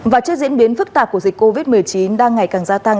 và trước diễn biến phức tạp của dịch covid một mươi chín đang ngày càng gia tăng